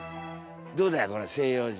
どうだいこの西洋人。